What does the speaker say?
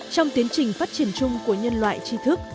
trong tiến trình phát triển chung của nhân loại chi thức